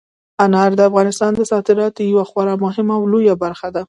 انار د افغانستان د صادراتو یوه خورا مهمه او لویه برخه ده.